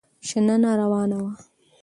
شننه روانه وه.